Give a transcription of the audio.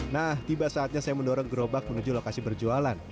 nah tiba saatnya saya mendorong gerobak menuju lokasi berjualan